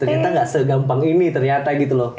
ternyata nggak segampang ini ternyata gitu loh